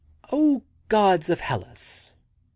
— O gods of Hellas !